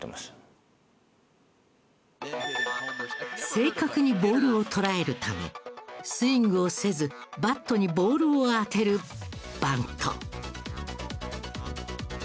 正確にボールを捉えるためスイングをせずバットにボールを当てるバント。